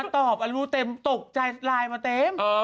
ตอบอะไรรู้เต็มตกใจไลน์มีไลน์มาเต็ม